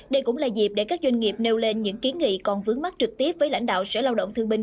đây cũng là dịp để các doanh nghiệp nêu lên những kiến nghị còn vướng mắt trực tiếp với lãnh đạo sở lao động thương binh